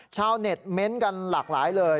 ชาวเน็ตเม้นต์กันหลากหลายเลย